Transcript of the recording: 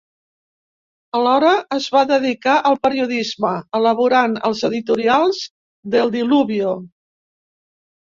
Alhora es va dedicar al periodisme, elaborant els editorials d'El Diluvio.